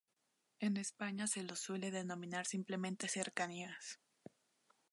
En España se los suele denominar simplemente cercanías.